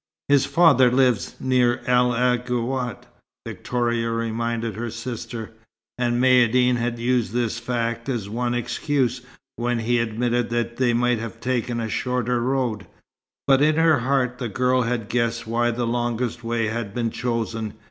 "His father lives near El Aghouat," Victoria reminded her sister. And Maïeddine had used this fact as one excuse, when he admitted that they might have taken a shorter road. But in her heart the girl had guessed why the longest way had been chosen.